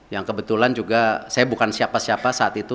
yang kebetulan juga saya bukan siapa siapa saat itu